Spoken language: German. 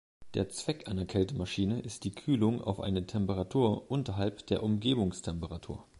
Der Zweck einer Kältemaschine ist die Kühlung auf eine Temperatur unterhalb der Umgebungstemperatur.